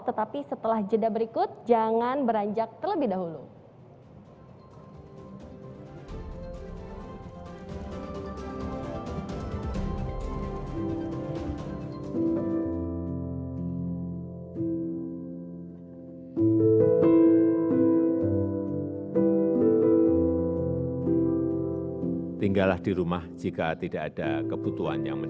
tetapi setelah jeda berikut jangan beranjak terlebih dahulu